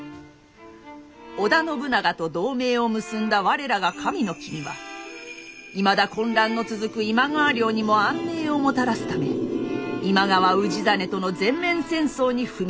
織田信長と同盟を結んだ我らが神の君はいまだ混乱の続く今川領にも安寧をもたらすため今川氏真との全面戦争に踏み切りました。